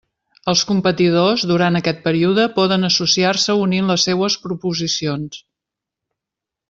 Els competidors, durant aquest període, poden associar-se unint les seues proposicions.